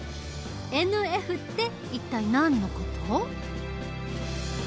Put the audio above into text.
「ＮＦ」って一体何の事？